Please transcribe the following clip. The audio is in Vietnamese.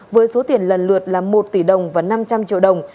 với số tiền lần lượt là một tỷ đồng và năm trăm linh triệu đồng